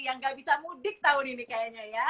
yang gak bisa mudik tahun ini kayaknya ya